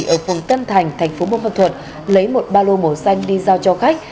ở phường tân thành thành phố bông ma thuột lấy một ba lô màu xanh đi giao cho khách